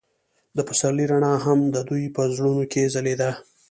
د پسرلی رڼا هم د دوی په زړونو کې ځلېده.